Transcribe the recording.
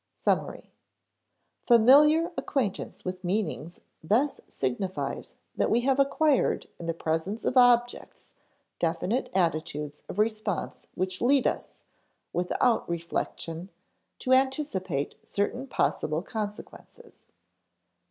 [Sidenote: Summary] Familiar acquaintance with meanings thus signifies that we have acquired in the presence of objects definite attitudes of response which lead us, without reflection, to anticipate certain possible consequences.